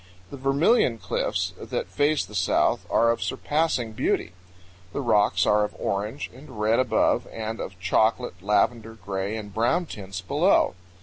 The Vermilion Cliffs that face the south are of surpassing beauty. The rocks are of orange and red above and of chocolate, lavender, gray, and brown tints below.